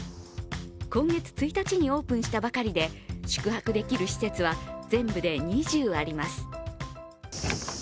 今月１日にオープンしたばかりで宿泊できる施設は全部で２０あります。